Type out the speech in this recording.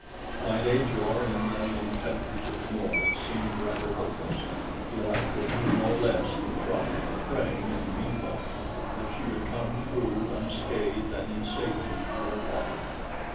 To find Ajor in the unknown country to the north seemed rather hopeless; yet I could do no less than try, praying in the meanwhile that she would come through unscathed and in safety to her father.